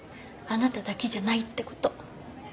あなただけじゃないってこと。